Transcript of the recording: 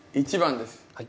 １番です。